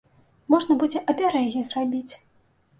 Можна будзе абярэгі зрабіць.